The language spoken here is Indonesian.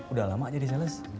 udah lama jadi sales